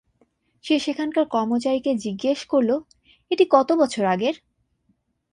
সে সেখানকার কর্মচারীকে জিজ্ঞেস করল, এটি কত বছর আগের?